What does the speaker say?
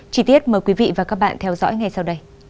chí tiết mời quý vị và các bạn theo dõi ngay sau đây